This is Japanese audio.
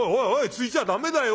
ついちゃ駄目だよ。